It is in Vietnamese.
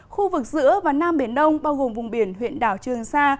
khu vực giữa và nam biển đông bao gồm vùng biển huyện đảo trường sa